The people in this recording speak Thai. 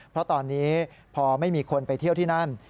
เพราะตอนนี้พอไม่มีคนไปเที่ยวที่นั่น